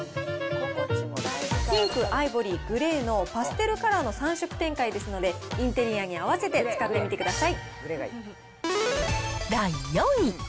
ピンク、アイボリー、グレーのパステルカラーの３色展開ですので、インテリアに合わせて使ってみてください。